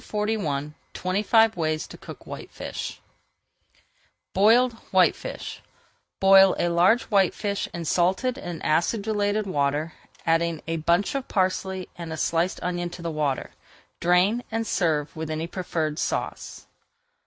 [Page 441] TWENTY FIVE WAYS TO COOK WHITEFISH BOILED WHITEFISH Boil a large whitefish in salted and acidulated water, adding a bunch of parsley and a sliced onion to the water. Drain, and serve with any preferred sauce.